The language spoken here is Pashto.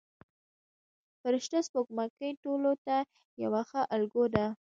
فرشته سپوږمۍ ټولو ته یوه ښه الګو ده.